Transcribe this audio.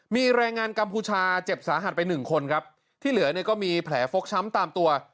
มีแรงงานกัมพูชาเจ็บสาหัสไปหนึ่งคนครับที่เหลือเนี่ยก็มีแผลฟกช้ำตามตัว